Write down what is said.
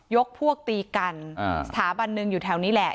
พวกตีกันสถาบันหนึ่งอยู่แถวนี้แหละ